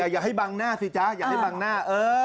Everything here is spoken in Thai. อย่าให้บังหน้าสิจ๊ะอย่าให้บังหน้า